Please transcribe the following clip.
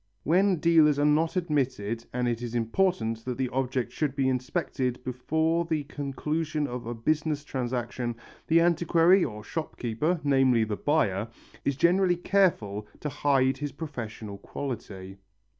When dealers are not admitted and it is important that the object should be inspected before the conclusion of a business transaction, the antiquary or shopkeeper, namely the buyer, is generally careful to hide his professional quality.